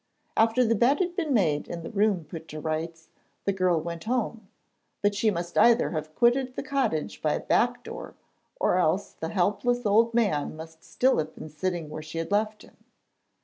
After the bed had been made and the room put to rights, the girl went home, but she must either have quitted the cottage by a back door, or else the helpless old man must still have been sitting where she left him.